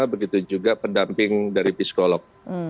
begitu juga pendamping dari psikolog